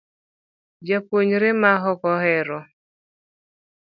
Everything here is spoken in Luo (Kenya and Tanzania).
Japuonjre ma ok ohero